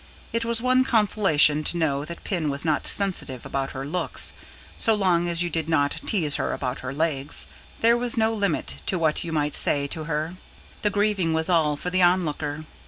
It was one consolation to know that Pin was not sensitive about her looks; so long as you did not tease her about her legs, there was no limit to what you might say to her: the grieving was all for the onlooker.